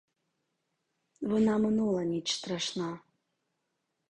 Вона минула — ніч страшна.